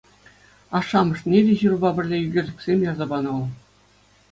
Ашшӗ-амӑшне те ҫырупа пӗрле ӳкерчӗксем ярса панӑ вӑл.